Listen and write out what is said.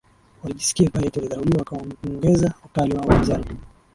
walijisikia vibaya eti walidharauliwa wakaongeza ukali wa upinzani